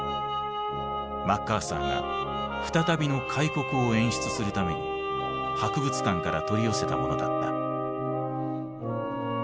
マッカーサーが再びの開国を演出するために博物館から取り寄せたものだった。